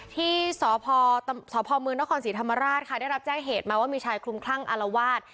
ที่สพมนครศรีธรรมราชค่ะได้รับแจ้งเหตุมาว่ามีชายคลุมคลั่งอารวาส